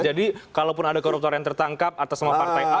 jadi kalau pun ada koruptor yang tertangkap atas semua partai a